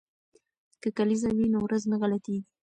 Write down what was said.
که کلیزه وي نو ورځ نه غلطیږي.